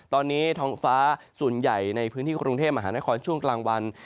ตอนนี้ท้องฟ้าส่วนใหญ่ในพื้นที่กรุงเทพมหานครช่วงกลางวัน